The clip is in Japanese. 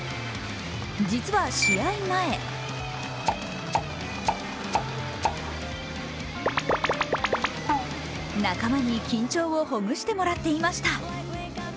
実は試合前仲間に緊張をほぐしてもらってました。